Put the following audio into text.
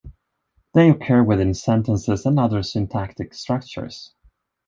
They occur within sentences and other syntactic structures.